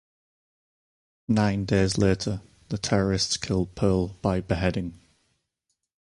Nine days later, the terrorists killed Pearl by beheading.